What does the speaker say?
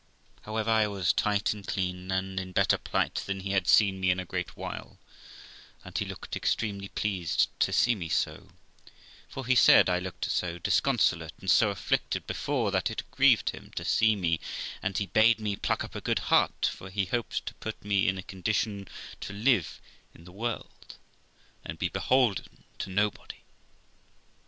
However, I was tight and clean, and in better plight than he had seen me in a great while, and he looked extremely pleased too see me so; for, he said, I looked so disconsolate and so atilicted before, that it grieved 210 THE LIFE OF ROXANA him to see me; and he bade me pluck p a good heart, for he hoped to put me in a condition to live in the world and be beholden to nobody.